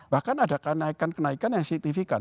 bahkan ada kenaikan kenaikan yang signifikan